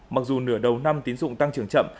mặc dù nửa đầu năm tín dụng tăng trưởng chậm